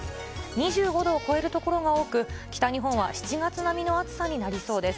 ２５度を超える所が多く、北日本は７月並みの暑さになりそうです。